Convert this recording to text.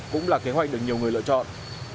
cũng là kế hoạch được nhiều người lựa chọn